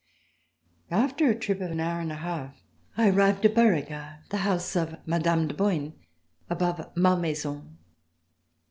After a trip of an hour and a half, I arrived at Beauregard, the house of Mme. de Boigne, above Malmaison.